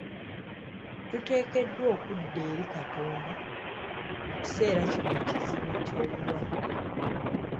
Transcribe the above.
Tuteekeddwa okudda eri Katonda mu kiseera kino ekizibu eky'obulwadde.